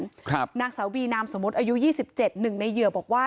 นางสาวบีนามสมมุติอายุยี่สิบเจ็ดหนึ่งในเหยื่อบอกว่า